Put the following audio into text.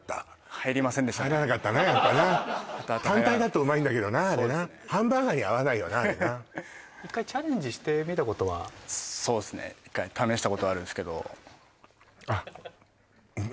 入りませんでしたね入らなかったなやっぱな単体だとうまいんだけどなあれなハンバーガーに合わないよなあれな１回チャレンジしてみたことはそうですね試したことはあるんですけどあっ